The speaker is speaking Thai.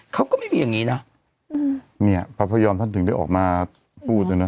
เขาก็ไม่มีอย่างงี้นะเนี่ยพระพยอมท่านถึงได้ออกมาพูดนะนะ